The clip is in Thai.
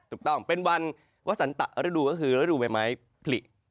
ถูกต้องเป็นวันวสันตะฤดูก็คือฤดูใบไม้ผลิ